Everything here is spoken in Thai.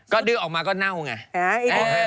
ก็ดื้อออกมาก็เน่าไง